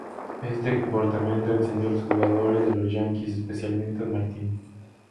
Este comportamiento encendió a los jugadores de los Yankees, especialmente a Martin.